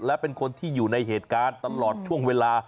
และเป็นคนที่อยู่ในเหตุการณ์ตลอดช่วงเวลา